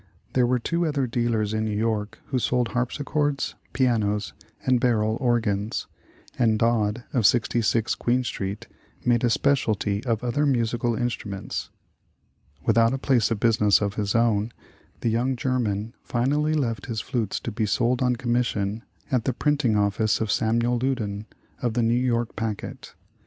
There were two other dealers in New York who sold harpsichords, pianos, and barrel organs; and Dodd, of 66 Queen Street, made a specialty of other musical in struments. Without a place of business of his own, the young German finally left his flutes to be sold on com mission at the printing office of Samuel Loudon, of the "New York Packet."